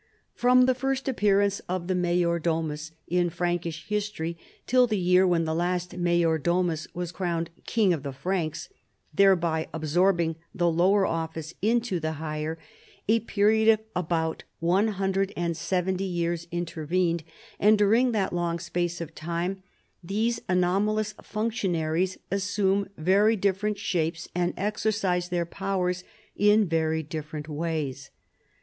From the first appearance of the tiuijor domus in Frankish history till the year when the hist major domus was crowned King of the Franks, thereby ab sorbing the lower office in the higher, a period of aljout 170 years intervened, and during that long space of time these anomalous functionaries assume very different shapes and exercise their powers in very different ways.